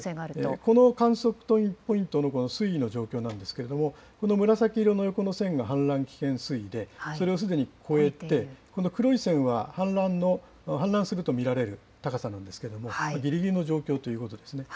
この観測ポイントのこの水位の状況なんですけれども、この紫色の横の線が氾濫危険水位で、それをすでに超えて、この黒い線は氾濫すると見られる高さなんですけれども、ぎりぎりの状況ということですね。